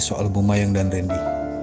soal bu mayang dan randy